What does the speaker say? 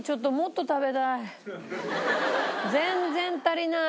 全然足りない。